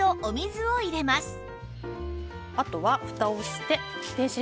あとは。